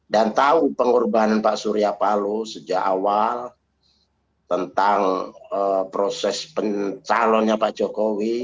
dan tahu pengorbanan pak surya palu sejak awal tentang proses calonnya pak jokowi